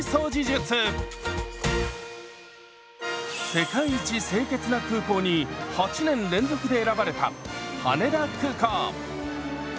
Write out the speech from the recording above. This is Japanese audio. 「世界一清潔な空港」に８年連続で選ばれた羽田空港。